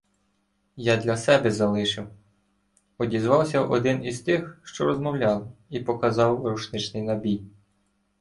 — Я для себе залишив, — одізвався один із тих, що розмовляли, і показав рушничний набій.